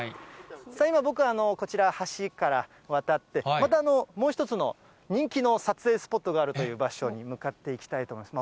今、僕はこちら、橋から渡って、またもう一つの人気の撮影スポットがあるという場所に向かっていきたいと思います。